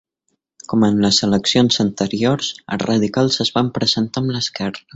Com en les eleccions anteriors, els radicals es van presentar amb l'esquerra.